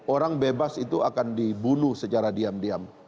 orang bebas itu akan dibunuh secara diam diam